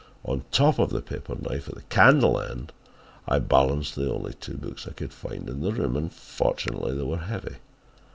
On top of the paper knife at the candle end I balanced the only two books I could find in the room, and fortunately they were heavy.